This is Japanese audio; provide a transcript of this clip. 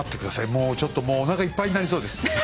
もうちょっともうおなかいっぱいになりそうです。